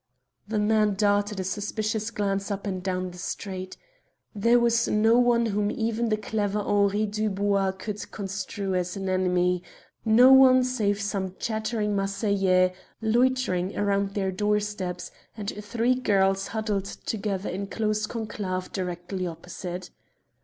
The man darted a suspicious glance up and down the street. There was no one whom even the clever Henri Dubois could construe as an enemy no one save some chattering Marseillais loitering around their doorsteps, and three girls huddled together in close conclave directly opposite.